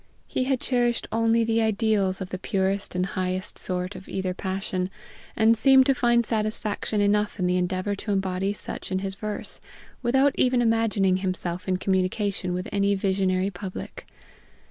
He had cherished only the ideals of the purest and highest sort of either passion, and seemed to find satisfaction enough in the endeavor to embody such in his verse, without even imagining himself in communication with any visionary public.